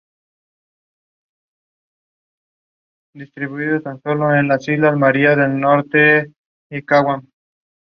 Tomó la ciudad y dispersó a sus partidarios.